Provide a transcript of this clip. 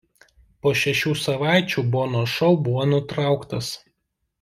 Po šešių savaičių Bono šou buvo nutrauktas.